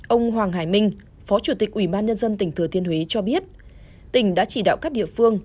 ông hoàng hải minh phó chủ tịch ủy ban nhân dân tỉnh thừa thiên huế cho biết tỉnh đã chỉ đạo các địa phương